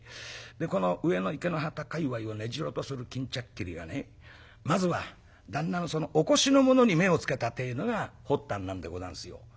この上野池之端界わいを根城とする巾着切りがねまずは旦那のそのお腰のものに目をつけたってえのが発端なんでござんすよ」。